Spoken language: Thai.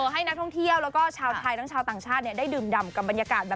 ให้ท่องเที่ยวชาวไทยชาวต่างชาติได้ดื่มด่ำกับบรรยากาศ